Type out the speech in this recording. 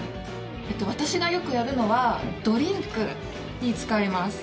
私がよくやるのはドリンクに使います。